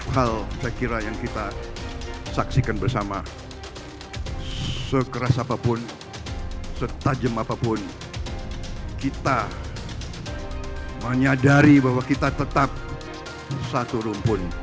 hal saya kira yang kita saksikan bersama sekeras apapun setajam apapun kita menyadari bahwa kita tetap satu rumpun